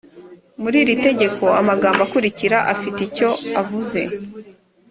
muri iri tegeko amagambo akurikira afite icyo avuze